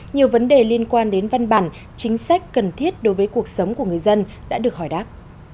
nhiều vấn đề liên quan đến văn bản chính sách cần thiết đối với cuộc sống của người dân đã được hỏi đáp